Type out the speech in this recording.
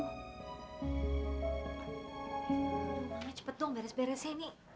mama cepet dong beres beres ya ini